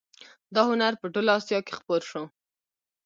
دا هنر په ټوله اسیا کې خپور شو